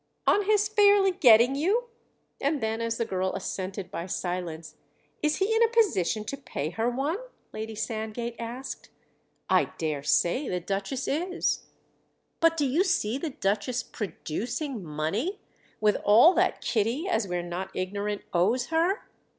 "On his fairly getting you?" And then as the girl assented by silence: "Is he in a position to pay her one?" Lady Sandgate asked. "I dare say the Duchess is!" "But do you see the Duchess producing money—with all that Kitty, as we're not ignorant, owes her?